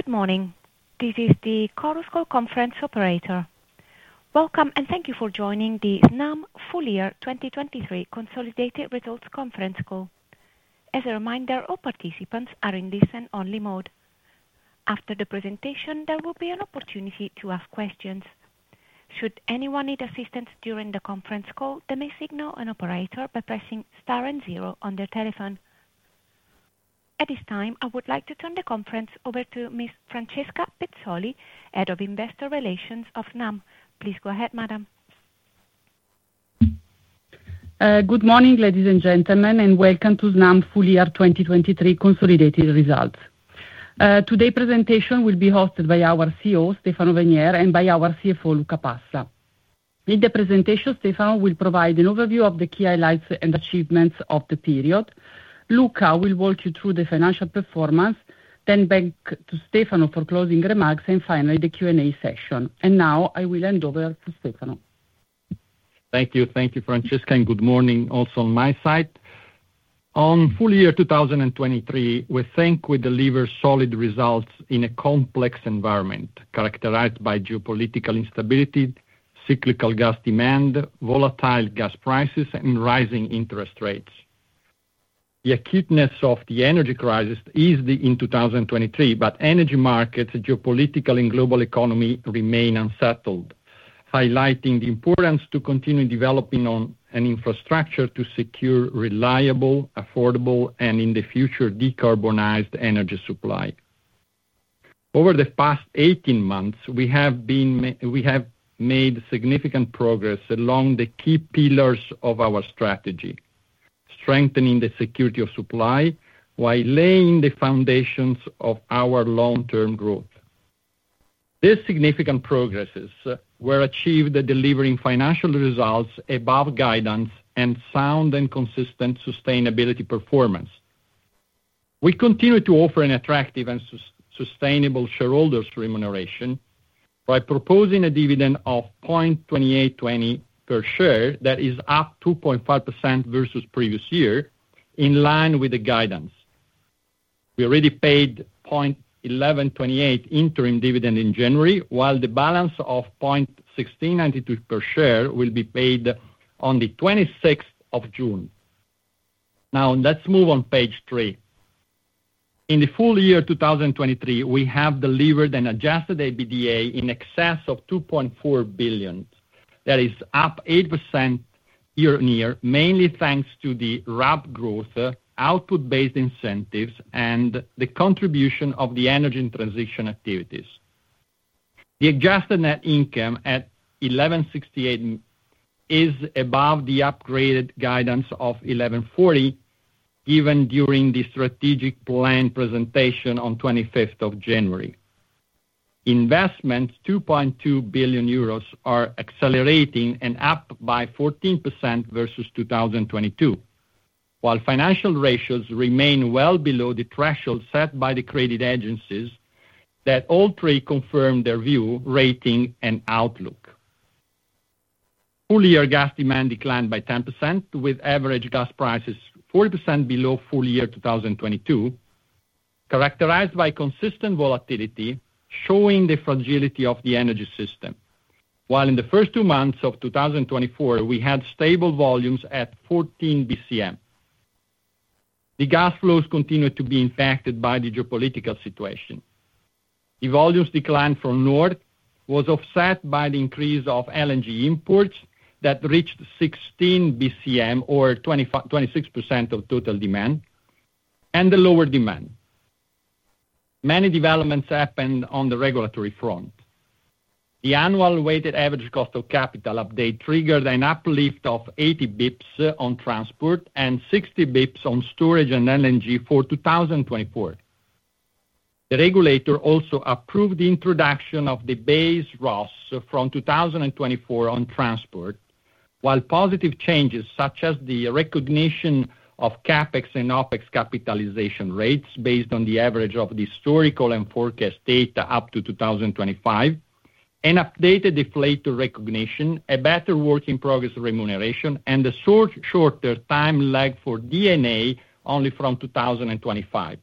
Good morning. This is the Chorus Call conference operator. Welcome, and thank you for joining the Snam Full Year 2023 Consolidated Results Conference call. As a reminder, all participants are in listen-only mode. After the presentation, there will be an opportunity to ask questions. Should anyone need assistance during the conference call, they may signal an operator by pressing star and zero on their telephone. At this time, I would like to turn the conference over to Miss Francesca Pezzoli, Head of Investor Relations of Snam. Please go ahead, Madam. Good morning, ladies and gentlemen, and welcome to Snam Full Year 2023 Consolidated Results. Today's presentation will be hosted by our CEO, Stefano Venier, and by our CFO, Luca Passa. In the presentation, Stefano will provide an overview of the key highlights and achievements of the period, Luca will walk you through the financial performance, then back to Stefano for closing remarks, and finally the Q&A session. Now I will hand over to Stefano. Thank you, Francesca, and good morning also on my side. On full year 2023, we're thankful we deliver solid results in a complex environment characterized by geopolitical instability, cyclical gas demand, volatile gas prices, and rising interest rates. The acuteness of the energy crisis eased in 2023, but energy markets, geopolitical, and global economy remain unsettled, highlighting the importance to continue developing on an infrastructure to secure reliable, affordable, and in the future decarbonized energy supply. Over the past 18 months, we have made significant progress along the key pillars of our strategy, strengthening the security of supply while laying the foundations of our long-term growth. These significant progresses were achieved delivering financial results above guidance and sound and consistent sustainability performance. We continue to offer an attractive and sustainable shareholder remuneration by proposing a dividend of 0.2820 per share that is up 2.5% versus previous year, in line with the guidance. We already paid 0.1128 interim dividend in January, while the balance of 0.1692 per share will be paid on the 26th of June. Now, let's move on page three. In the Full Year 2023, we have delivered an adjusted EBITDA in excess of 2.4 billion. That is up 8% year-on-year, mainly thanks to the RAB growth, output-based incentives, and the contribution of the energy and transition activities. The adjusted net income at 1,168 is above the upgraded guidance of 1,140 given during the strategic plan presentation on 25th of January. Investments, 2.2 billion euros, are accelerating and up by 14% versus 2022, while financial ratios remain well below the threshold set by the credit agencies that all three confirmed their view, rating, and outlook. Full-year gas demand declined by 10%, with average gas prices 40% below full-year 2022, characterized by consistent volatility showing the fragility of the energy system, while in the first two months of 2024, we had stable volumes at 14 BCM. The gas flows continued to be impacted by the geopolitical situation. The volumes declined from north was offset by the increase of LNG imports that reached 16 BCM, or 25-26% of total demand, and the lower demand. Many developments happened on the regulatory front. The annual weighted average cost of capital update triggered an uplift of 80 bps on transport and 60 bps on storage and LNG for 2024. The regulator also approved the introduction of the base ROS from 2024 on transport, while positive changes such as the recognition of CAPEX and OPEX capitalization rates based on the average of the historical and forecast data up to 2025, and updated deflator recognition, a better work in progress remuneration, and a shorter time lag for D&A only from 2025.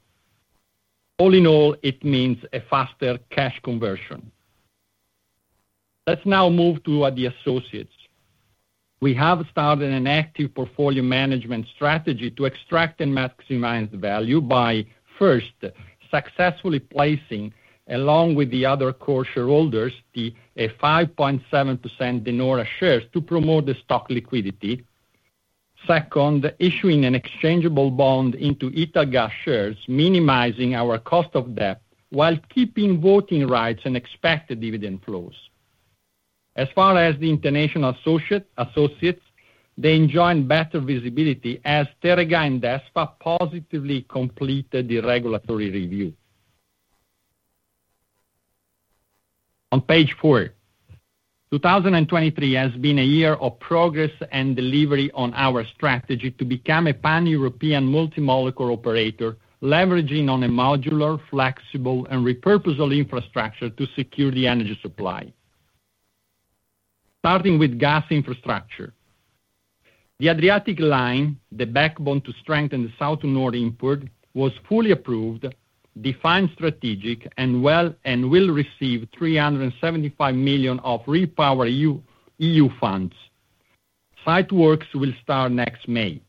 All in all, it means a faster cash conversion. Let's now move to the associates. We have started an active portfolio management strategy to extract and maximize value by, first, successfully placing, along with the other core shareholders, the 5.7% De Nora shares to promote the stock liquidity. Second, issuing an exchangeable bond into Italgas shares, minimizing our cost of debt while keeping voting rights and expected dividend flows. As far as the international associates, they enjoyed better visibility as Teréga and DESFA positively completed the regulatory review. On page 4, 2023 has been a year of progress and delivery on our strategy to become a pan-European multimolecule operator leveraging on a modular, flexible, and repurposable infrastructure to secure the energy supply. Starting with gas infrastructure. The Adriatic Line, the backbone to strengthen the south-to-north import, was fully approved, defined strategic, and well and will receive 375 million of REPowerEU funds. Site works will start next May.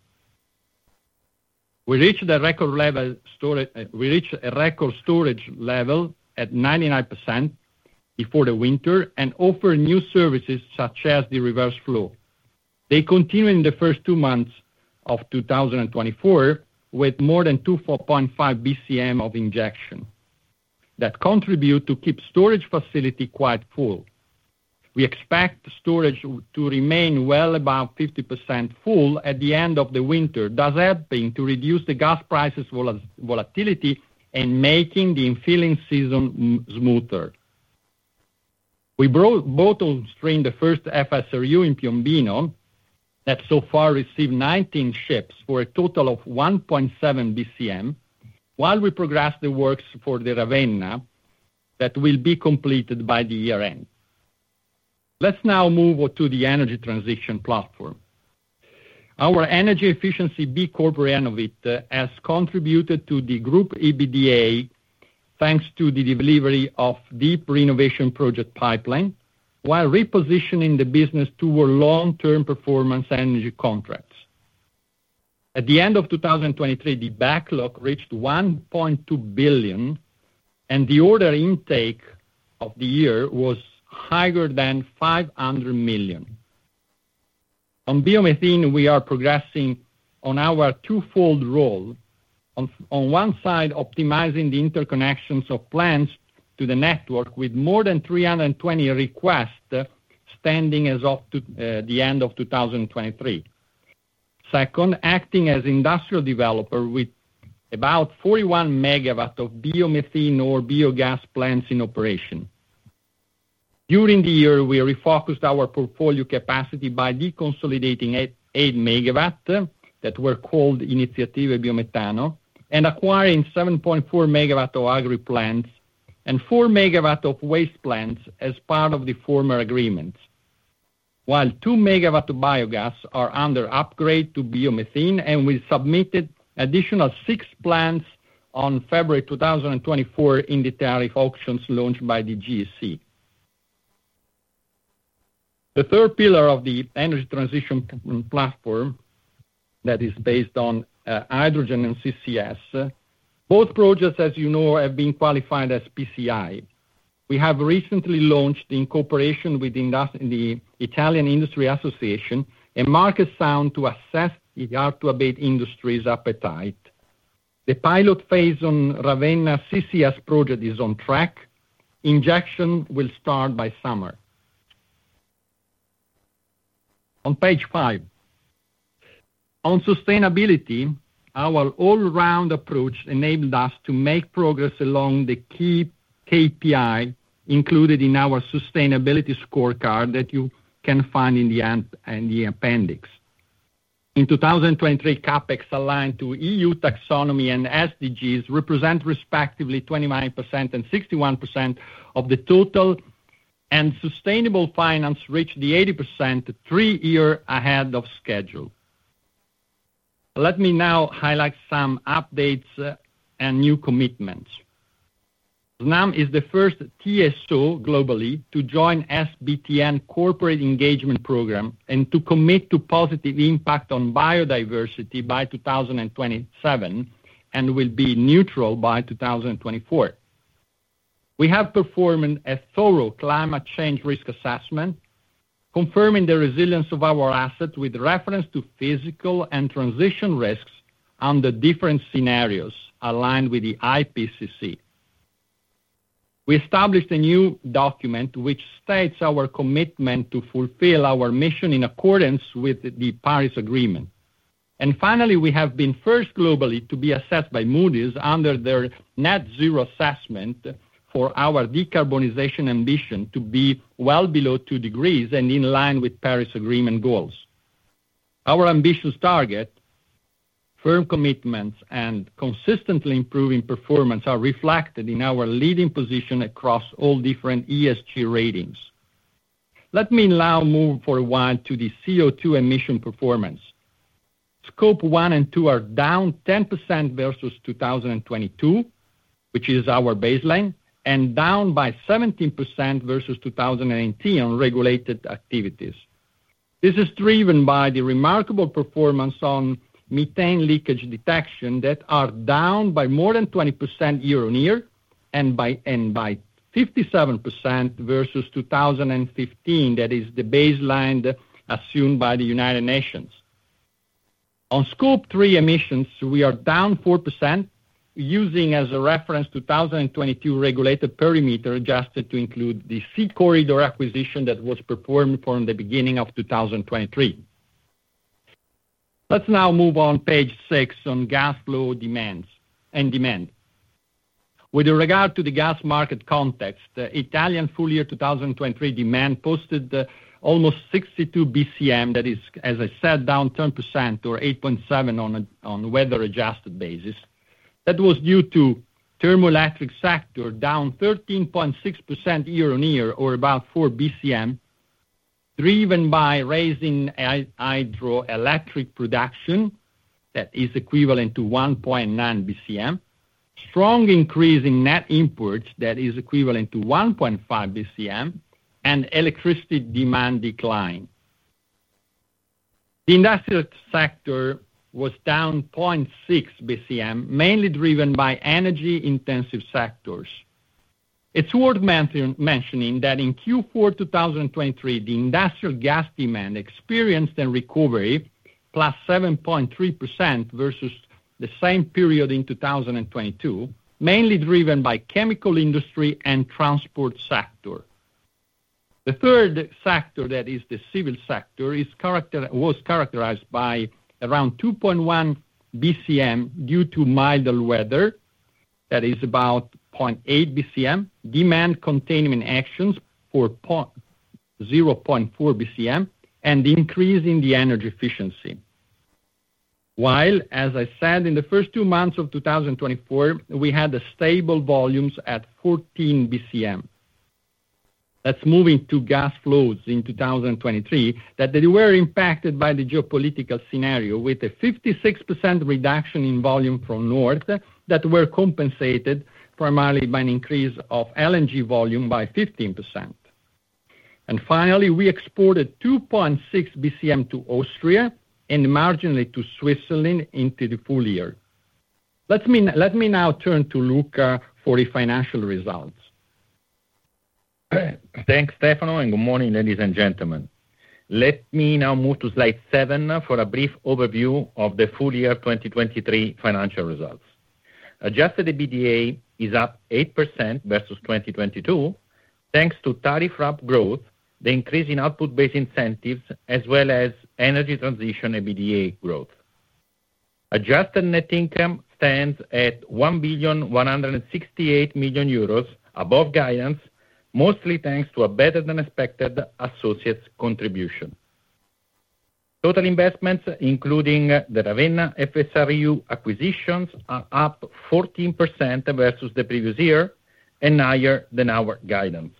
We reached a record storage level at 99% before the winter and offer new services such as the reverse flow. They continue in the first two months of 2024 with more than 2.5 BCM of injection that contribute to keep storage facility quite full. We expect storage to remain well above 50% full at the end of the winter, thus helping to reduce the gas prices volatility and making the infilling season smoother. We brought on stream the first FSRU in Piombino that so far received 19 ships for a total of 1.7 BCM, while we progress the works for the Ravenna that will be completed by the year-end. Let's now move to the energy transition platform. Our energy efficiency B Corp Renovit has contributed to the group EBITDA thanks to the delivery of deep renovation project pipeline, while repositioning the business toward long-term performance energy contracts. At the end of 2023, the backlog reached 1.2 billion, and the order intake of the year was higher than 500 million. On biomethane, we are progressing on our twofold role. On one side, optimizing the interconnections of plants to the network with more than 320 requests standing as of the end of 2023. Second, acting as industrial developer with about 41 MW of biomethane or biogas plants in operation. During the year, we refocused our portfolio capacity by deconsolidating 8 MW that were called Iniziative Biometano and acquiring 7.4 MW of agriplants and 4 MW of waste plants as part of the former agreements, while 2 MW of biogas are under upgrade to biomethane and we submitted additional six plants on February 2024 in the tariff auctions launched by the GSE. The third pillar of the energy transition platform that is based on hydrogen and CCS, both projects, as you know, have been qualified as PCI. We have recently launched in cooperation with the Italian Industry Association a market sounding to assess the hard-to-abate industry's appetite. The pilot phase on Ravenna CCS project is on track. Injection will start by summer. On page five, on sustainability, our all-round approach enabled us to make progress along the key KPI included in our sustainability scorecard that you can find in the appendix. In 2023, CapEx aligned to EU taxonomy and SDGs represent respectively 29% and 61% of the total, and sustainable finance reached 80% three years ahead of schedule. Let me now highlight some updates and new commitments. Snam is the first TSO globally to join SBTN Corporate Engagement Program and to commit to positive impact on biodiversity by 2027 and will be neutral by 2024. We have performed a thorough climate change risk assessment confirming the resilience of our asset with reference to physical and transition risks under different scenarios aligned with the IPCC. We established a new document which states our commitment to fulfill our mission in accordance with the Paris Agreement. Finally, we have been first globally to be assessed by Moody's under their Net Zero assessment for our decarbonization ambition to be well below two degrees and in line with Paris Agreement goals. Our ambitious target, firm commitments, and consistently improving performance are reflected in our leading position across all different ESG ratings. Let me now move for a while to the CO2 emission performance. Scope 1 and 2 are down 10% versus 2022, which is our baseline, and down by 17% versus 2018 on regulated activities. This is driven by the remarkable performance on methane leakage detection that are down by more than 20% year-on-year and by 57% versus 2015, that is the baseline assumed by the United Nations. On Scope 3 emissions, we are down 4% using as a reference 2022 regulated perimeter adjusted to include the SeaCorridor acquisition that was performed from the beginning of 2023. Let's now move on page six on gas flow demands and demand. With regard to the gas market context, Italian Full Year 2023 demand posted almost 62 BCM, that is, as I said, down 10% or 8.7% on a weather-adjusted basis. That was due to thermal electric sector down 13.6% year-on-year, or about 4 BCM, driven by rising hydroelectric production that is equivalent to 1.9 BCM, strong increase in net imports that is equivalent to 1.5 BCM, and electricity demand decline. The industrial sector was down 0.6 BCM, mainly driven by energy-intensive sectors. It's worth mentioning that in Q4 2023, the industrial gas demand experienced a recovery plus 7.3% versus the same period in 2022, mainly driven by chemical industry and transport sector. The third sector, that is, the civil sector, was characterized by around 2.1 bcm due to milder weather, that is, about 0.8 bcm, demand containment actions for 0.4 bcm, and increase in the energy efficiency. While, as I said, in the first two months of 2024, we had stable volumes at 14 bcm. Let's move into gas flows in 2023 that were impacted by the geopolitical scenario with a 56% reduction in volume from north that were compensated primarily by an increase of LNG volume by 15%. And finally, we exported 2.6 bcm to Austria and marginally to Switzerland in the full year. Let me now turn to Luca for the financial results. Thanks, Stefano, and good morning, ladies and gentlemen. Let me now move to slide seven for a brief overview of the Full Year 2023 financial results. Adjusted EBITDA is up 8% versus 2022 thanks to tariff ramp growth, the increase in output-based incentives, as well as energy transition EBITDA growth. Adjusted net income stands at 1,168 million euros above guidance, mostly thanks to a better-than-expected associates contribution. Total investments, including the Ravenna FSRU acquisitions, are up 14% versus the previous year and higher than our guidance.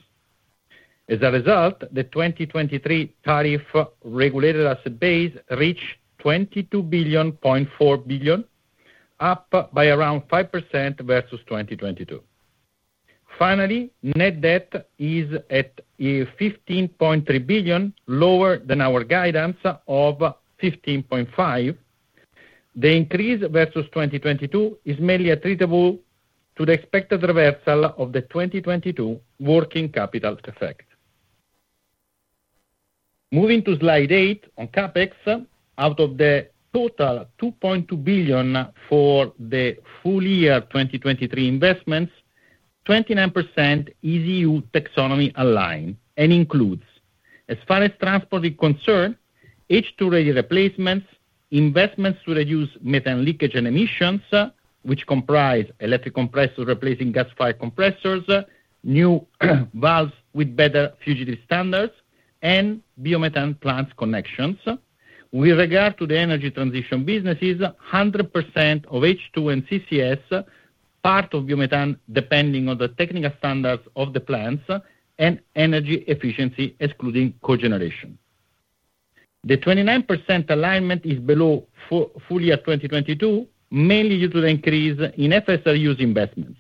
As a result, the 2023 tariff regulated asset base reached 22.4 billion, up by around 5% versus 2022. Finally, net debt is at 15.3 billion, lower than our guidance of 15.5 billion. The increase versus 2022 is mainly attributable to the expected reversal of the 2022 working capital effect. Moving to slide eight on CapEx, out of the total 2.2 billion for the Full Year 2023 investments, 29% is EU taxonomy aligned and includes, as far as transport is concerned, H2 ready replacements, investments to reduce methane leakage and emissions, which comprise electric compressors replacing gas fire compressors, new valves with better fugitive standards, and biomethane plants connections. With regard to the energy transition businesses, 100% of H2 and CCS, part of biomethane depending on the technical standards of the plants and energy efficiency, excluding cogeneration. The 29% alignment is below Full Year 2022, mainly due to the increase in FSRUs investments.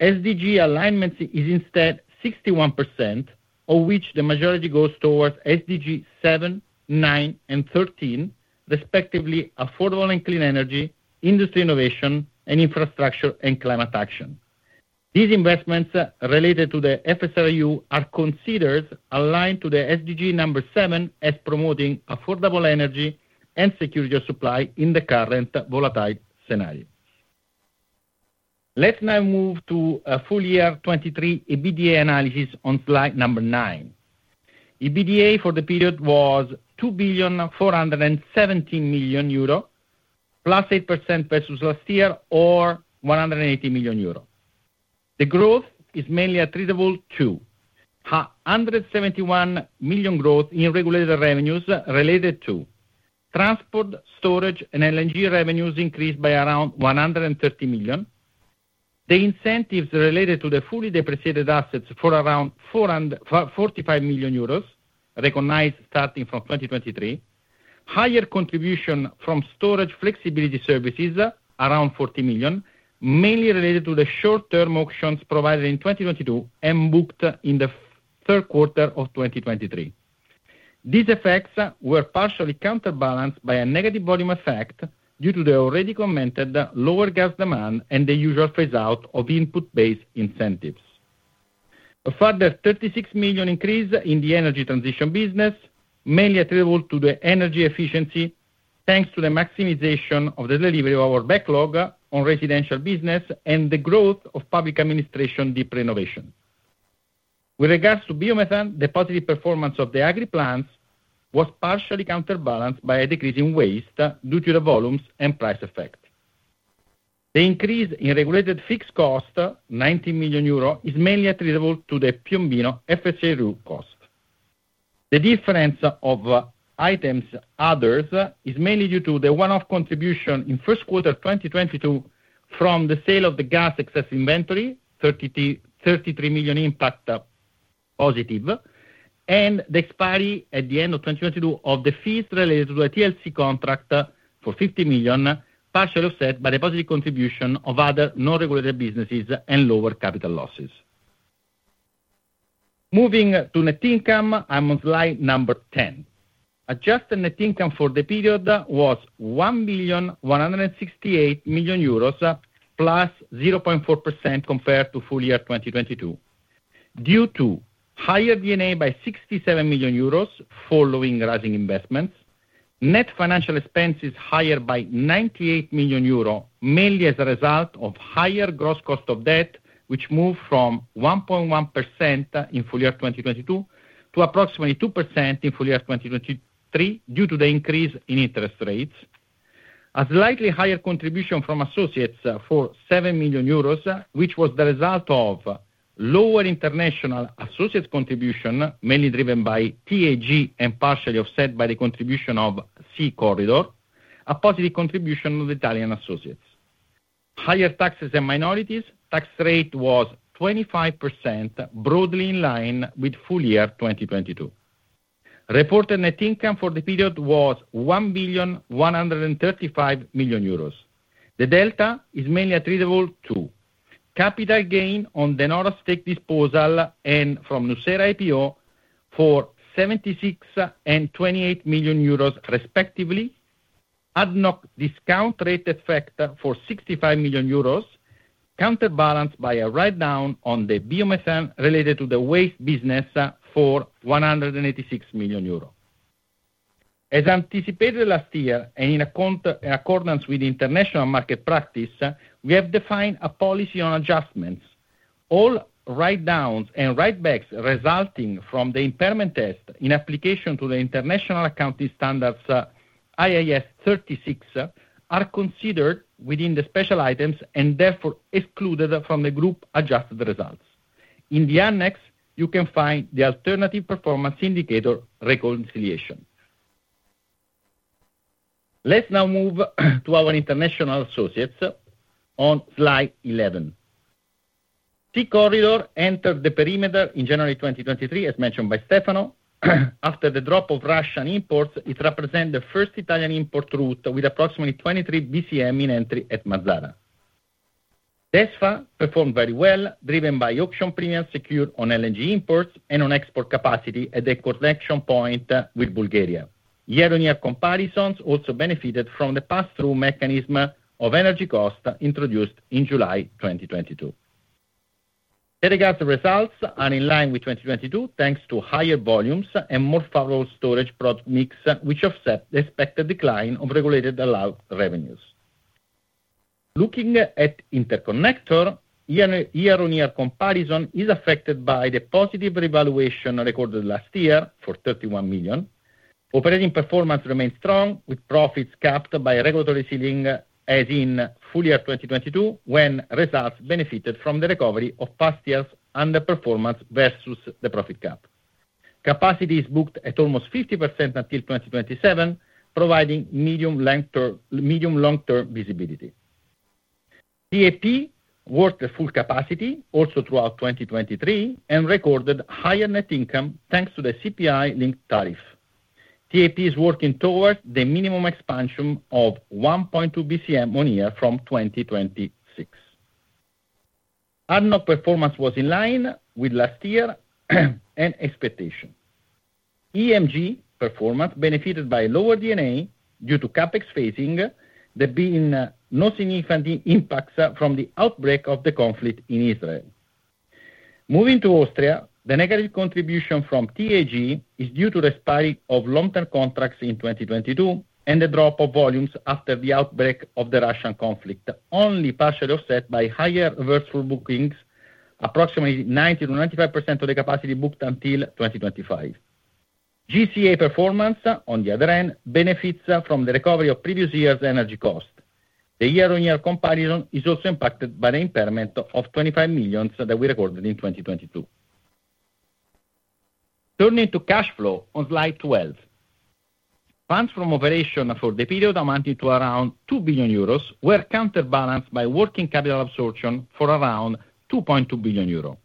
SDG alignment is instead 61%, of which the majority goes towards SDGs 7, 9, and 13, respectively affordable and clean energy, industry innovation, and infrastructure and climate action. These investments related to the FSRU are considered aligned to the SDG number 7 as promoting affordable energy and security of supply in the current volatile scenario. Let's now move to full year 2023 EBITDA analysis on slide number nine. EBITDA for the period was 2,417 million euro +8% versus last year, or 180 million euro. The growth is mainly attributable to 171 million growth in regulated revenues related to transport, storage, and LNG revenues increased by around 130 million. The incentives related to the fully depreciated assets for around 45 million euros recognized starting from 2023, higher contribution from storage flexibility services, around 40 million, mainly related to the short-term auctions provided in 2022 and booked in the third quarter of 2023. These effects were partially counterbalanced by a negative volume effect due to the already commented lower gas demand and the usual phase-out of input-based incentives. A further 36 million increase in the energy transition business, mainly attributable to the energy efficiency thanks to the maximization of the delivery of our backlog on residential business and the growth of public administration deep renovation. With regards to biomethane, the positive performance of the agriplants was partially counterbalanced by a decrease in waste due to the volumes and price effect. The increase in regulated fixed cost, 90 million euro, is mainly attributable to the Piombino FSRU cost. The difference of items others is mainly due to the one-off contribution in first quarter 2022 from the sale of the gas excess inventory, 33 million impact positive, and the expiry at the end of 2022 of the fees related to the TLC contract for 50 million, partially offset by the positive contribution of other non-regulated businesses and lower capital losses. Moving to net income, I'm on slide number 10. Adjusted net income for the period was 1,168 million euros plus 0.4% compared to full year 2022. Due to higher D&A by 67 million euros following rising investments, net financial expenses higher by 98 million euros, mainly as a result of higher gross cost of debt, which moved from 1.1% in full year 2022 to approximately 2% in full year 2023 due to the increase in interest rates, a slightly higher contribution from associates for 7 million euros, which was the result of lower international associates contribution, mainly driven by TAG and partially offset by the contribution of SeaCorridor, a positive contribution of the Italian associates. Higher taxes and minorities. Tax rate was 25%, broadly in line with full year 2022. Reported net income for the period was 1,135 million euros. The delta is mainly attributable to capital gain on the De Nora's stake disposal and from nucera IPO for 76 million and 28 million euros, respectively, ad hoc discount rate effect for 65 million euros, counterbalanced by a write-down on the biomethane related to the waste business for 186 million euro. As anticipated last year and in accordance with international market practice, we have defined a policy on adjustments. All write-downs and write-backs resulting from the impairment test in application to the International Accounting Standards IAS 36 are considered within the special items and therefore excluded from the group adjusted results. In the annex, you can find the alternative performance indicator reconciliation. Let's now move to our international associates on slide 11. SeaCorridor entered the perimeter in January 2023, as mentioned by Stefano. After the drop of Russian imports, it represents the first Italian import route with approximately 23 BCM in entry at Mazara. DESFA performed very well, driven by auction premiums secured on LNG imports and on export capacity at the connection point with Bulgaria. Year-on-year comparisons also benefited from the pass-through mechanism of energy cost introduced in July 2022. With regards to results, they are in line with 2022 thanks to higher volumes and more favorable storage product mix, which offset the expected decline of regulated allowed revenues. Looking at Interconnector, year-on-year comparison is affected by the positive revaluation recorded last year for 31 million. Operating performance remains strong, with profits capped by regulatory ceiling as in full year 2022, when results benefited from the recovery of past year's underperformance versus the profit cap. Capacity is booked at almost 50% until 2027, providing medium-long-term visibility. TAP worked at full capacity, also throughout 2023, and recorded higher net income thanks to the CPI-linked tariff. TAP is working towards the minimum expansion of 1.2 BCM on year from 2026. Ad hoc performance was in line with last year and expectations. EMG performance benefited by lower D&A due to CapEx phasing, there being no significant impacts from the outbreak of the conflict in Israel. Moving to Austria, the negative contribution from TAG is due to the expiry of long-term contracts in 2022 and the drop of volumes after the outbreak of the Russian conflict, only partially offset by higher reversible bookings, approximately 90%-95% of the capacity booked until 2025. GCA performance, on the other hand, benefits from the recovery of previous year's energy cost. The year-on-year comparison is also impacted by the impairment of 25 million that we recorded in 2022. Turning to cash flow on slide 12. Funds from operation for the period amounting to around 2 billion euros were counterbalanced by working capital absorption for around 2.2 billion euros.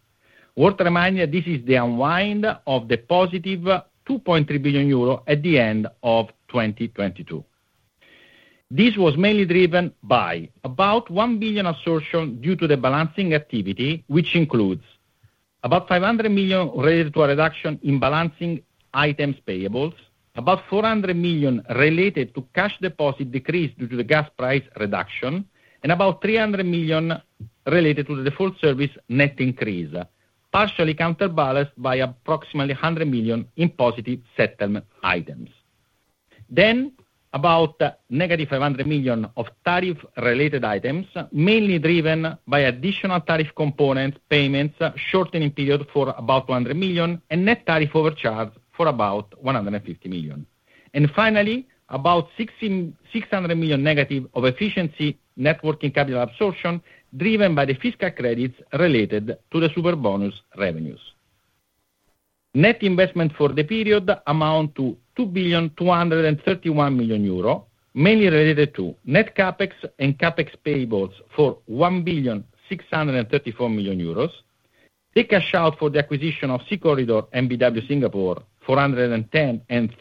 Worth reminding that this is the unwind of the positive 2.3 billion euros at the end of 2022. This was mainly driven by about 1 billion absorption due to the balancing activity, which includes about 500 million related to a reduction in balancing items payables, about 400 million related to cash deposit decrease due to the gas price reduction, and about 300 million related to the default service net increase, partially counterbalanced by approximately 100 million in positive settlement items. Then, about negative 500 million of tariff-related items, mainly driven by additional tariff components, payments, shortening period for about 200 million, and net tariff overcharge for about 150 million. And finally, about 600 million negative of efficiency net working capital absorption driven by the fiscal credits related to the Superbonus revenues. Net investment for the period amounted to 2.231 billion, mainly related to net CAPEX and CAPEX payables for 1.634 billion, the cash out for the acquisition of SeaCorridor, BW Singapore, 410 million and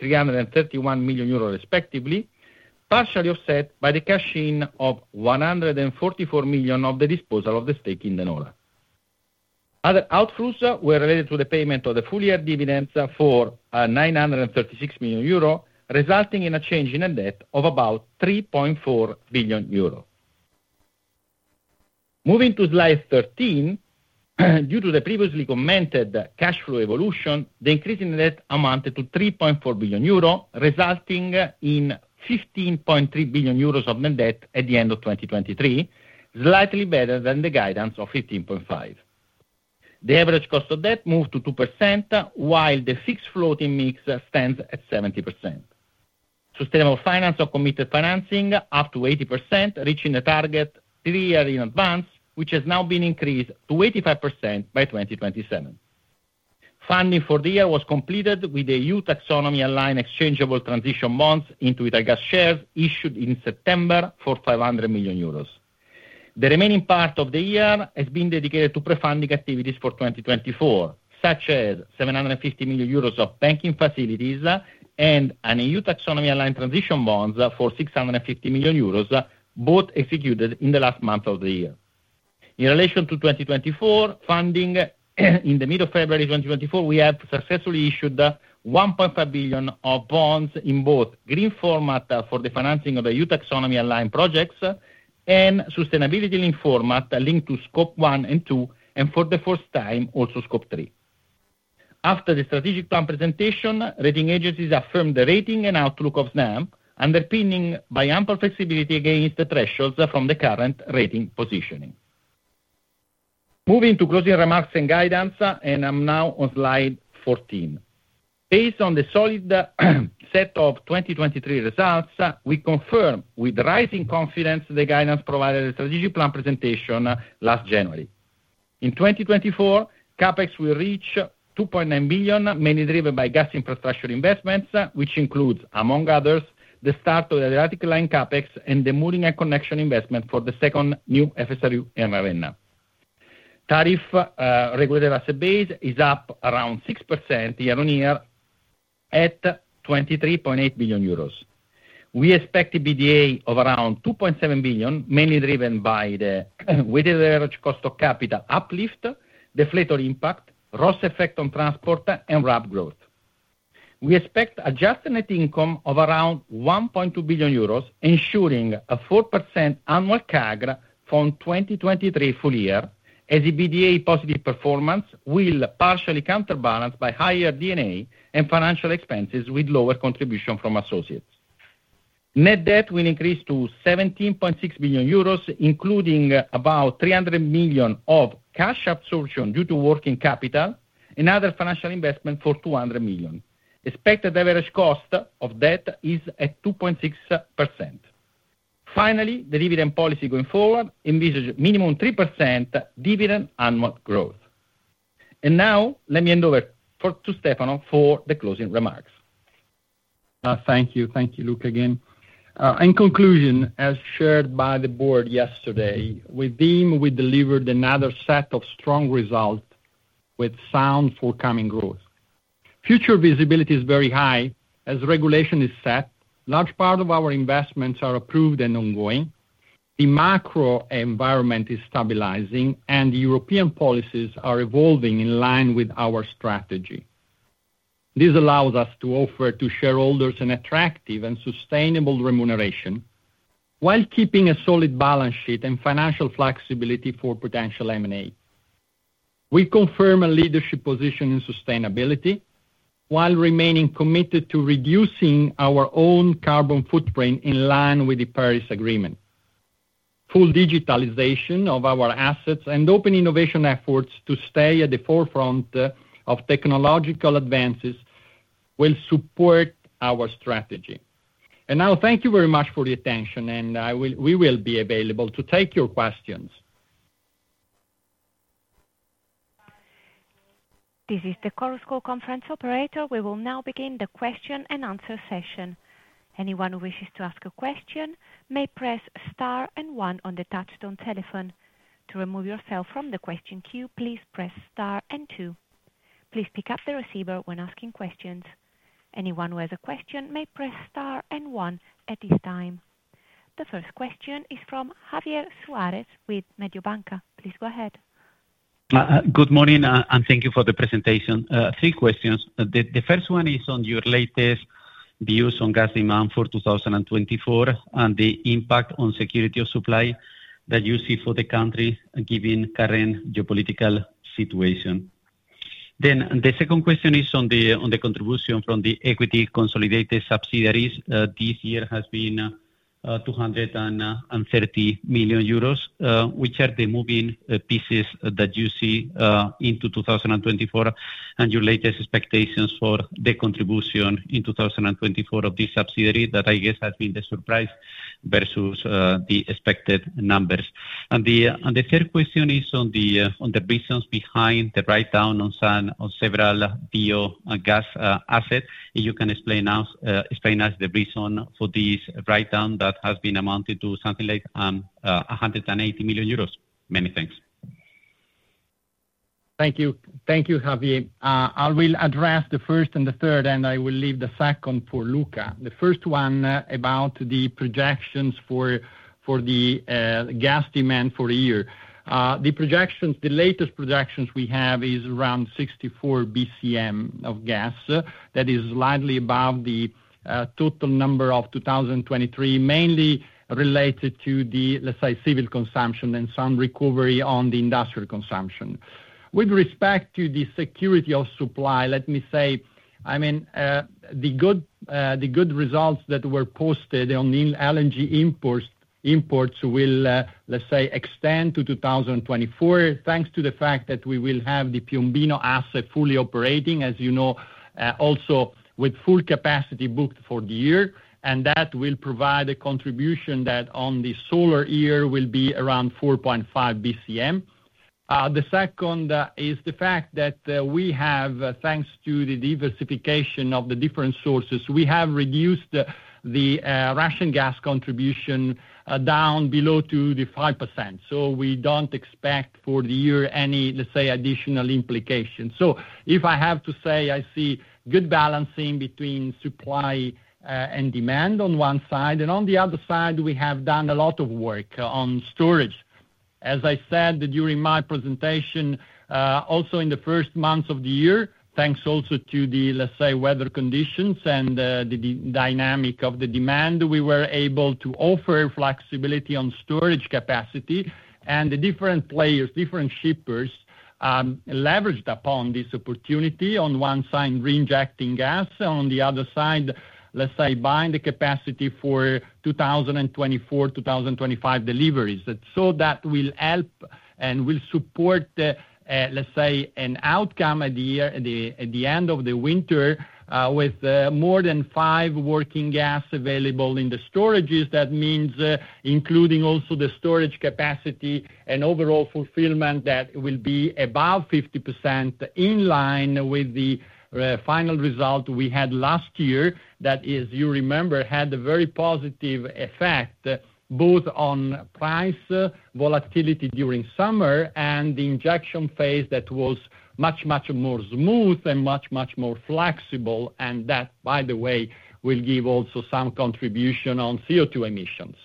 331 million euro, respectively, partially offset by the cash in of 144 million of the disposal of the stake in De Nora. Other outflows were related to the payment of the full-year dividends for 936 million euro, resulting in a change in net debt of about 3.4 billion euro. Moving to slide 13, due to the previously commented cash flow evolution, the increase in debt amounted to 3.4 billion euro, resulting in 15.3 billion euros of net debt at the end of 2023, slightly better than the guidance of 15.5 billion. The average cost of debt moved to 2%, while the fixed floating mix stands at 70%. Sustainable finance or committed financing up to 80%, reaching the target three years in advance, which has now been increased to 85% by 2027. Funding for the year was completed with the EU taxonomy-aligned exchangeable transition bonds into Italgas shares issued in September for 500 million euros. The remaining part of the year has been dedicated to pre-funding activities for 2024, such as 750 million euros of banking facilities and an EU taxonomy-aligned transition bonds for 650 million euros, both executed in the last month of the year. In relation to 2024, funding in the middle of February 2024, we have successfully issued 1.5 billion of bonds in both green format for the financing of the EU taxonomy-aligned projects and sustainability linked format linked to Scope 1 and 2, and for the first time, also Scope 3. After the strategic plan presentation, rating agencies affirmed the rating and outlook of Snam, underpinned by ample flexibility against the thresholds from the current rating positioning. Moving to closing remarks and guidance, I'm now on slide 14. Based on the solid set of 2023 results, we confirm with rising confidence the guidance provided at the strategic plan presentation last January. In 2024, CAPEX will reach 2.9 million, mainly driven by gas infrastructure investments, which includes, among others, the start of the Adriatic Line CAPEX and the Mooring and Connection investment for the second new FSRU in Ravenna. Tariff regulated asset base is up around 6% year-on-year at 23.8 billion euros. We expect an EBITDA of around 2.7 billion, mainly driven by the weighted average cost of capital uplift, deflator impact, ROS effect on transport, and RAB growth. We expect adjusted net income of around 1.2 billion euros, ensuring a 4% annual CAGR from 2023 full year, as an EBITDA positive performance will partially counterbalance higher D&A and financial expenses with lower contribution from associates. Net debt will increase to 17.6 billion euros, including about 300 million of cash absorption due to working capital and other financial investment for 200 million. Expected average cost of debt is at 2.6%. Finally, the dividend policy going forward envisages minimum 3% annual dividend growth. And now, let me hand over to Stefano for the closing remarks. Thank you. Thank you, Luca, again. In conclusion, as shared by the board yesterday, with the team, we delivered another set of strong results with sound forthcoming growth. Future visibility is very high as regulation is set, large part of our investments are approved and ongoing, the macro environment is stabilizing, and the European policies are evolving in line with our strategy. This allows us to offer to shareholders an attractive and sustainable remuneration while keeping a solid balance sheet and financial flexibility for potential M&A. We confirm a leadership position in sustainability while remaining committed to reducing our own carbon footprint in line with the Paris Agreement. Full digitalization of our assets and open innovation efforts to stay at the forefront of technological advances will support our strategy. And now, thank you very much for the attention, and we will be available to take your questions. This is the Chorus Call conference operator. We will now begin the question and answer session. Anyone who wishes to ask a question may press star and one on the touch-tone telephone. To remove yourself from the question queue, please press star and two. Please pick up the receiver when asking questions. Anyone who has a question may press star and one at this time. The first question is from Javier Suárez with Mediobanca. Please go ahead. Good morning, and thank you for the presentation. Three questions. The first one is on your latest views on gas demand for 2024 and the impact on security of supply that you see for the country given current geopolitical situation. Then the second question is on the contribution from the equity consolidated subsidiaries. This year has been 230 million euros, which are the moving pieces that you see into 2024 and your latest expectations for the contribution in 2024 of this subsidiary that, I guess, has been the surprise versus the expected numbers. And the third question is on the reasons behind the write-down on several biogas assets. If you can explain us the reason for this write-down that has been amounted to something like 180 million euros. Many thanks. Thank you. Thank you, Javier. I will address the first and the third, and I will leave the second for Luca. The first one about the projections for the gas demand for a year. The latest projections we have are around 64 BCM of gas. That is slightly above the total number of 2023, mainly related to the, let's say, civil consumption and some recovery on the industrial consumption. With respect to the security of supply, let me say, I mean, the good results that were posted on LNG imports will, let's say, extend to 2024 thanks to the fact that we will have the Piombino asset fully operating, as you know, also with full capacity booked for the year. And that will provide a contribution that on the solar year will be around 4.5 bcm. The second is the fact that we have, thanks to the diversification of the different sources, we have reduced the Russian gas contribution down below 2%-5%. So we don't expect for the year any, let's say, additional implications. So if I have to say, I see good balancing between supply and demand on one side, and on the other side, we have done a lot of work on storage. As I said during my presentation, also in the first months of the year, thanks also to the, let's say, weather conditions and the dynamic of the demand, we were able to offer flexibility on storage capacity. The different players, different shippers, leveraged upon this opportunity. On one side, reinjecting gas, and on the other side, let's say, buying the capacity for 2024-2025 deliveries. That will help and will support, let's say, an outcome at the end of the winter with more than five working gas available in the storages. That means including also the storage capacity and overall fulfillment that will be above 50% in line with the final result we had last year. That is, you remember, had a very positive effect both on price volatility during summer and the injection phase that was much, much more smooth and much, much more flexible. That, by the way, will give also some contribution on CO2 emissions.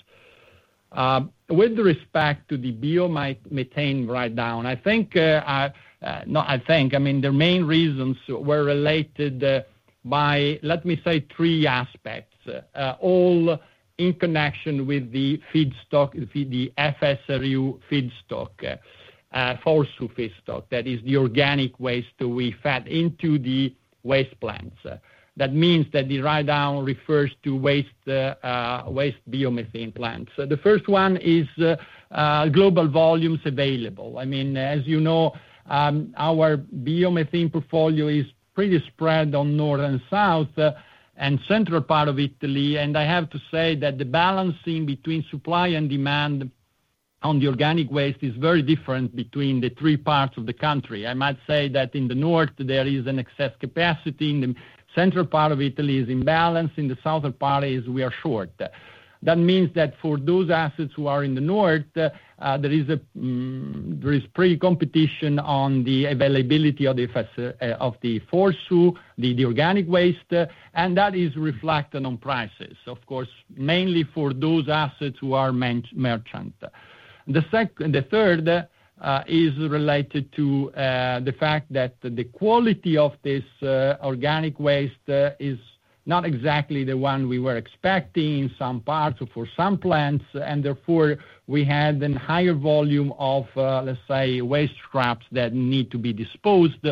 With respect to the biomethane write-down, I think no, I mean, the main reasons were related by, let me say, three aspects, all in connection with the FSRU feedstock, fossil feedstock. That is, the organic waste that we fed into the waste plants. That means that the write-down refers to waste biomethane plants. The first one is global volumes available. I mean, as you know, our biomethane portfolio is pretty spread on north and south and central part of Italy. I have to say that the balancing between supply and demand on the organic waste is very different between the three parts of the country. I might say that in the north, there is an excess capacity. In the central part of Italy, it's imbalanced. In the southern parts, we are short. That means that for those assets who are in the north, there is pretty competition on the availability of the fossil, the organic waste, and that is reflected on prices, of course, mainly for those assets who are merchant. The third is related to the fact that the quality of this organic waste is not exactly the one we were expecting in some parts or for some plants. And therefore, we had a higher volume of, let's say, waste scraps that need to be disposed.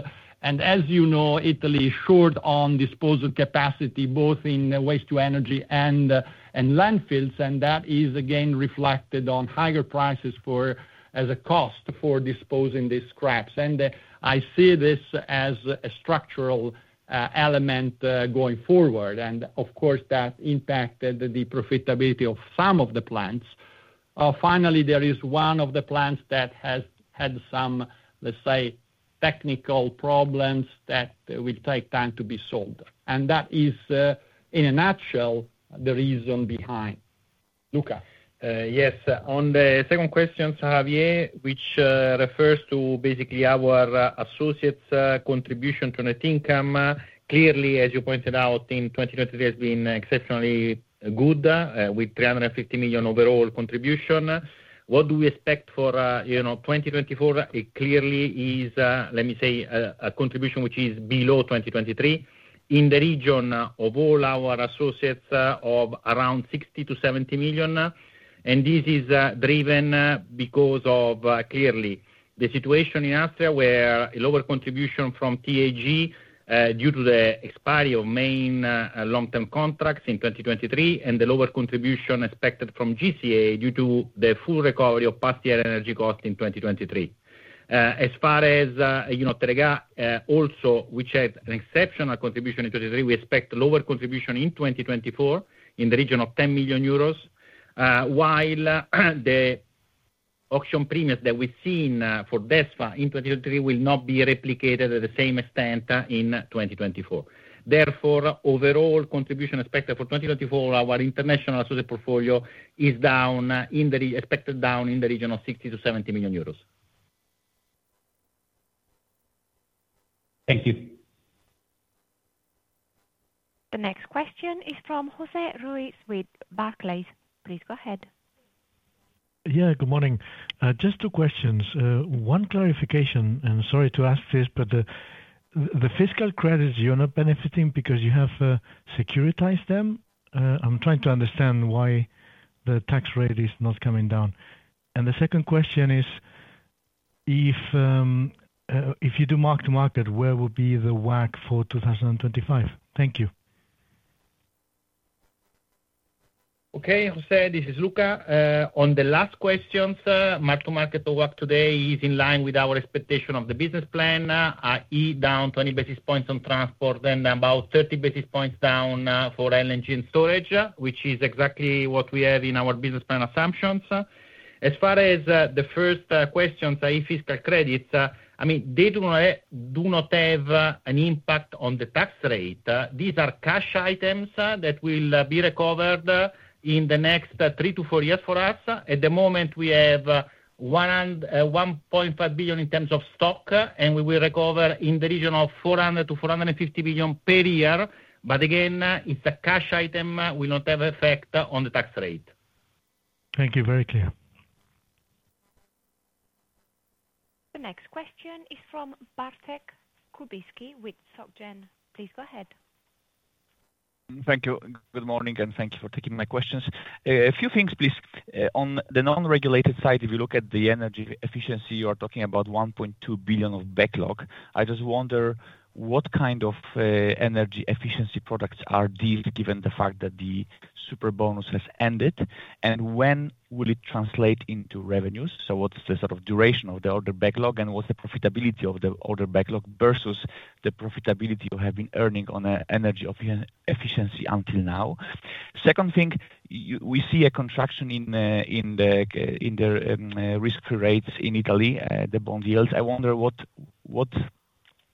And as you know, Italy is short on disposal capacity both in waste to energy and landfills. And that is, again, reflected on higher prices as a cost for disposing these scraps. And I see this as a structural element going forward. And of course, that impacted the profitability of some of the plants. Finally, there is one of the plants that has had some, let's say, technical problems that will take time to be solved. And that is, in a nutshell, the reason behind. Luca. Yes. On the second question, Javier, which refers to basically our associates' contribution to net income, clearly, as you pointed out, in 2023, has been exceptionally good with 350 million overall contribution. What do we expect for 2024? It clearly is, let me say, a contribution which is below 2023 in the region of all our associates of around 60-70 million. And this is driven because of, clearly, the situation in Austria where a lower contribution from TAG due to the expiry of main long-term contracts in 2023 and the lower contribution expected from GCA due to the full recovery of past year energy costs in 2023. As far as Teréga, also, which had an exceptional contribution in 2023, we expect lower contribution in 2024 in the region of 10 million euros while the auction premiums that we've seen for DESFA in 2023 will not be replicated at the same extent in 2024. Therefore, overall contribution expected for 2024, our international associate portfolio is expected down in the region of 60 million-70 million euros. Thank you. The next question is from Jose Ruiz with Barclays. Please go ahead. Yeah. Good morning. Just two questions. One clarification, and sorry to ask this, but the fiscal credits, you're not benefiting because you have securitized them. I'm trying to understand why the tax rate is not coming down. And the second question is, if you do mark-to-market, where will be the WACC for 2025? Thank you. Okay, José. This is Luca. On the last questions, mark-to-market or WACC today is in line with our expectation of the business plan, i.e., down 20 basis points on transport and about 30 basis points down for LNG and storage, which is exactly what we have in our business plan assumptions. As far as the first questions, i.e., fiscal credits, I mean, they do not have an impact on the tax rate. These are cash items that will be recovered in the next three to four years for us. At the moment, we have 1.5 billion in terms of stock, and we will recover in the region of 400 million-450 million per year. But again, it's a cash item. We'll not have an effect on the tax rate. Thank you. Very clear. The next question is from Bartek Kubicki with Soc Gen. Please go ahead. Thank you. Good morning, and thank you for taking my questions. A few things, please. On the non-regulated side, if you look at the energy efficiency, you are talking about 1.2 billion of backlog. I just wonder what kind of energy efficiency products are these given the fact that the Superbonus has ended? And when will it translate into revenues? So what's the sort of duration of the order backlog, and what's the profitability of the order backlog versus the profitability you have been earning on energy efficiency until now? Second thing, we see a contraction in the risk rates in Italy, the bond yields. I wonder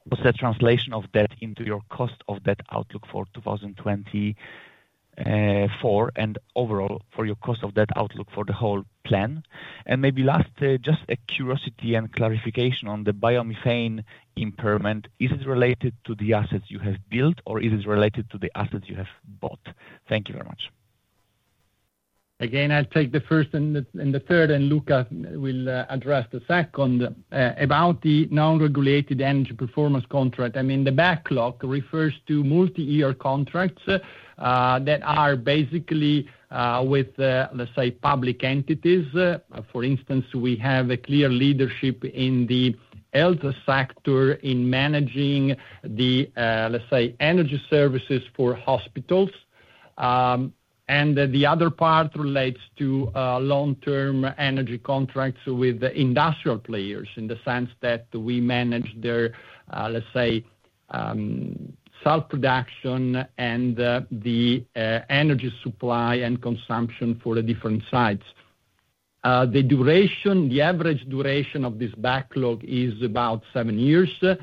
what's the translation of that into your cost of debt outlook for 2024 and overall for your cost of debt outlook for the whole plan? And maybe last, just a curiosity and clarification on the biomethane impairment. Is it related to the assets you have built, or is it related to the assets you have bought? Thank you very much. Again, I'll take the first and the third, and Luca will address the second about the non-regulated energy performance contract. I mean, the backlog refers to multi-year contracts that are basically with, let's say, public entities. For instance, we have a clear leadership in the health sector in managing the, let's say, energy services for hospitals. And the other part relates to long-term energy contracts with industrial players in the sense that we manage their, let's say, self-production and the energy supply and consumption for the different sites. The average duration of this backlog is about seven years. The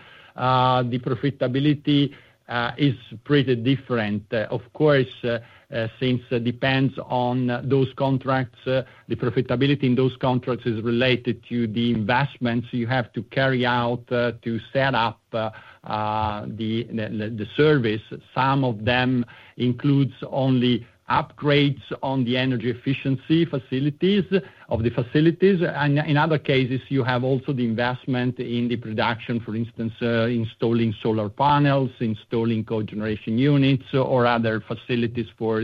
profitability is pretty different, of course, since it depends on those contracts. The profitability in those contracts is related to the investments you have to carry out to set up the service. Some of them include only upgrades on the energy efficiency facilities of the facilities. In other cases, you have also the investment in the production, for instance, installing solar panels, installing cogeneration units, or other facilities for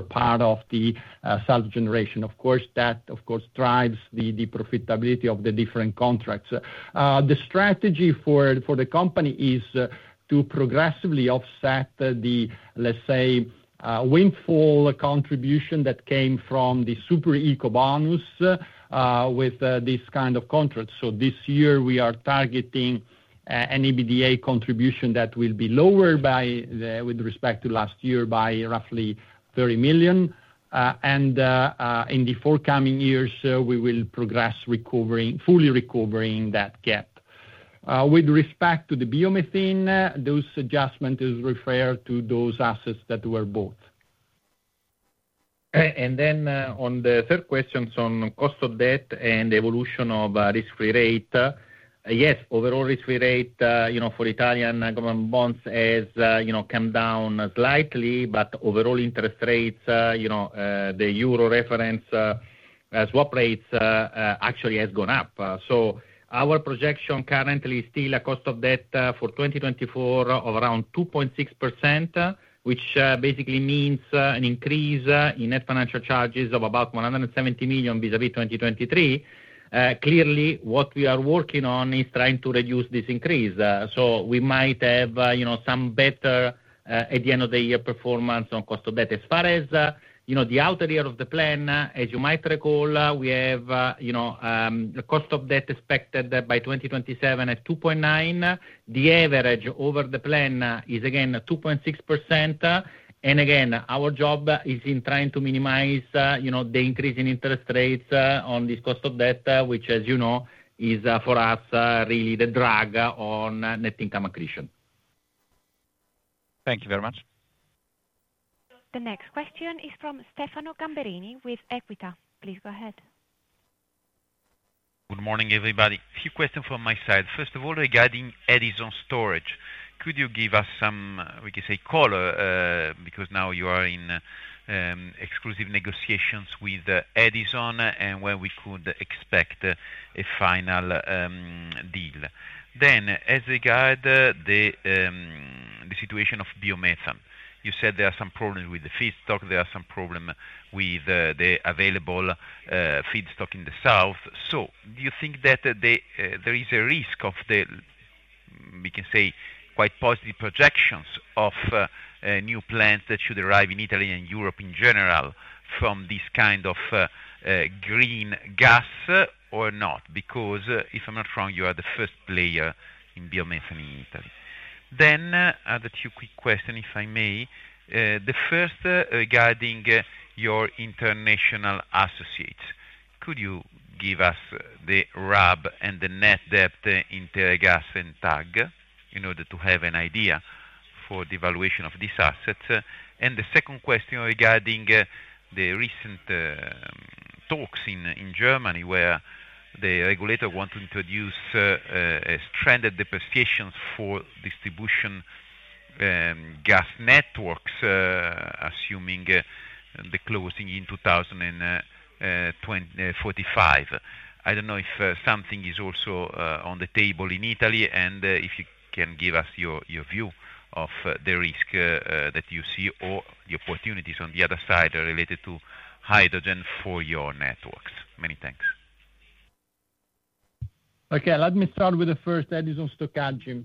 part of the self-generation. Of course, that, of course, drives the profitability of the different contracts. The strategy for the company is to progressively offset the, let's say, windfall contribution that came from the Superbonus with this kind of contract. This year, we are targeting an EBITDA contribution that will be lower with respect to last year by roughly 30 million. In the forthcoming years, we will progress fully recovering that gap. With respect to the biomethane, those adjustments refer to those assets that were bought. On the third question, so on cost of debt and evolution of risk-free rate, yes, overall risk-free rate for Italian government bonds has come down slightly, but overall interest rates, the euro reference swap rates, actually have gone up. Our projection currently is still a cost of debt for 2024 of around 2.6%, which basically means an increase in net financial charges of about 170 million vis-à-vis 2023. Clearly, what we are working on is trying to reduce this increase. We might have some better at the end of the year performance on cost of debt. As far as the outer year of the plan, as you might recall, we have a cost of debt expected by 2027 at 2.9%. The average over the plan is, again, 2.6%. And again, our job is in trying to minimize the increase in interest rates on this cost of debt, which, as you know, is for us really the drug on net income accretion. Thank you very much. The next question is from Stefano Gamberini with Equita. Please go ahead. Good morning, everybody. A few questions from my side. First of all, regarding Edison storage, could you give us some, we can say, color because now you are in exclusive negotiations with Edison and when we could expect a final deal? Then as regard the situation of biomethane, you said there are some problems with the feedstock. There are some problems with the available feedstock in the south. So do you think that there is a risk of the, we can say, quite positive projections of new plants that should arrive in Italy and Europe in general from this kind of green gas or not? Because if I'm not wrong, you are the first player in biomethane in Italy. Then another two quick questions, if I may. The first, regarding your international associates, could you give us the RAB and the net debt in Teréga and TAG in order to have an idea for the evaluation of these assets? And the second question regarding the recent talks in Germany where the regulator want to introduce stranded depreciations for distribution gas networks, assuming the closing in 2045. I don't know if something is also on the table in Italy, and if you can give us your view of the risk that you see or the opportunities on the other side related to hydrogen for your networks. Many thanks. Okay. Let me start with the first, Edison Stoccaggio.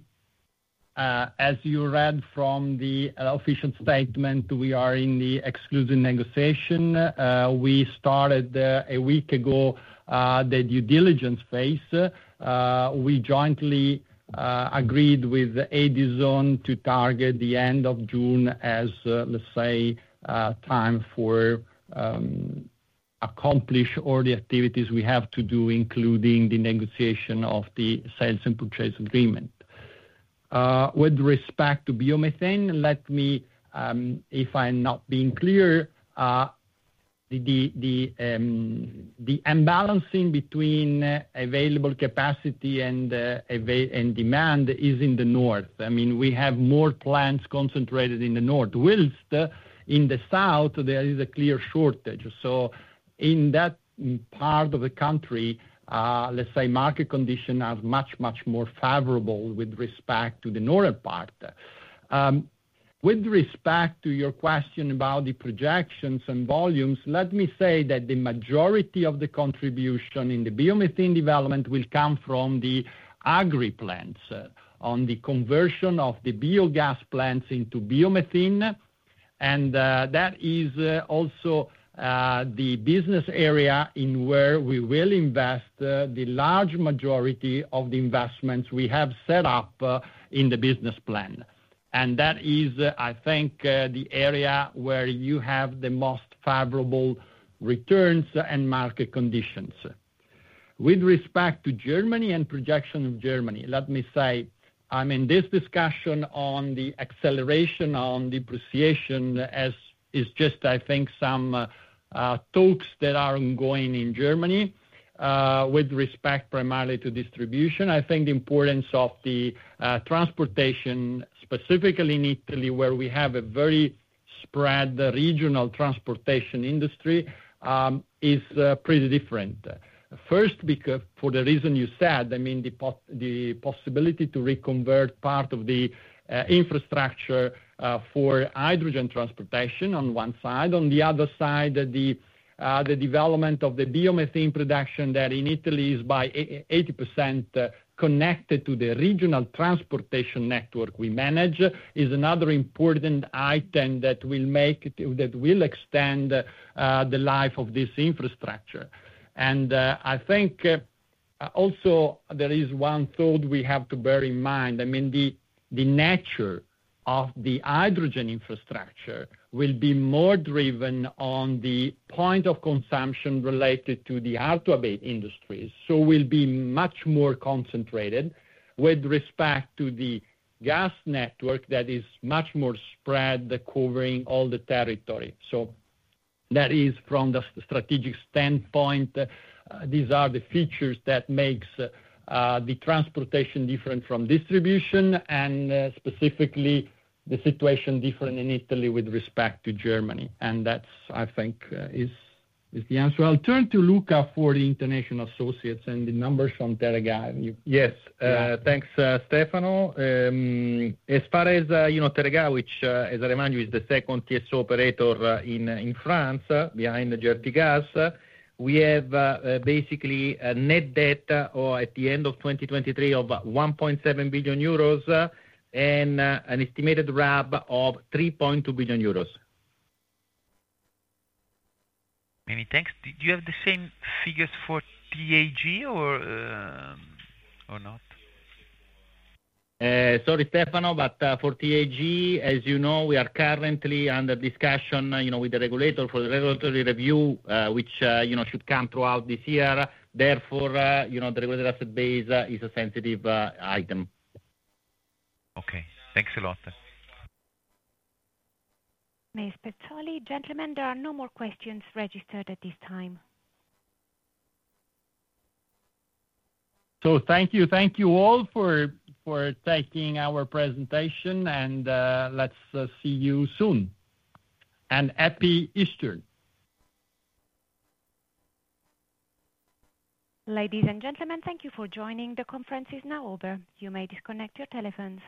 As you read from the official statement, we are in the exclusive negotiation. We started a week ago the due diligence phase. We jointly agreed with Edison to target the end of June as, let's say, time for accomplishing all the activities we have to do, including the negotiation of the sales and purchase agreement. With respect to biomethane, let me, if I'm not being clear, the imbalance between available capacity and demand is in the north. I mean, we have more plants concentrated in the north, while in the south, there is a clear shortage. So in that part of the country, let's say, market conditions are much, much more favorable with respect to the northern part. With respect to your question about the projections and volumes, let me say that the majority of the contribution in the biomethane development will come from the agriplants on the conversion of the biogas plants into biomethane. That is also the business area in where we will invest the large majority of the investments we have set up in the business plan. That is, I think, the area where you have the most favorable returns and market conditions. With respect to Germany and projection of Germany, let me say, I mean, this discussion on the acceleration on depreciation is just, I think, some talks that are ongoing in Germany with respect primarily to distribution. I think the importance of the transportation, specifically in Italy, where we have a very spread regional transportation industry, is pretty different. First, for the reason you said, I mean, the possibility to reconvert part of the infrastructure for hydrogen transportation on one side. On the other side, the development of the biomethane production that in Italy is by 80% connected to the regional transportation network we manage is another important item that will extend the life of this infrastructure. I think also there is one thought we have to bear in mind. I mean, the nature of the hydrogen infrastructure will be more driven on the point of consumption related to the hard-to-abate industries. So it will be much more concentrated with respect to the gas network that is much more spread covering all the territory. So that is, from the strategic standpoint, these are the features that make the transportation different from distribution and specifically the situation different in Italy with respect to Germany. And that, I think, is the answer. I'll turn to Luca for the international associates and the numbers from Teréga. Yes. Thanks, Stefano. As far as Teréga, which, as I remind you, is the second TSO operator in France behind GRTgaz, we have basically a net debt at the end of 2023 of 1.7 billion euros and an estimated RAB of 3.2 billion euros. Many thanks. Do you have the same figures for TAG or not? Sorry, Stefano, but for TAG, as you know, we are currently under discussion with the regulator for the regulatory review, which should come throughout this year. Therefore, the regulatory asset base is a sensitive item. Okay. Thanks a lot. Ms. Pezzoli, Gentlemen, there are no more questions registered at this time. So thank you. Thank you all for taking our presentation, and let's see you soon. Happy Easter. Ladies and gentlemen, thank you for joining. The conference is now over. You may disconnect your telephones.